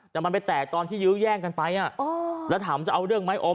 แต่มันไปแตกตอนที่ยื้อแย่งกันไปแล้วถามจะเอาเรื่องไหมอม